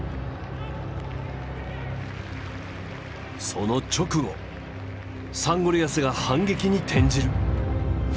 その直後サンゴリアスが反撃に転じる。